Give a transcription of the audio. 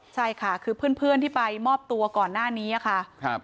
ใช่ค่ะคือเพื่อนที่ไปมอบตัวก่อนหน้านี้ค่ะ